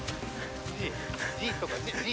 ＧＧとかＧ。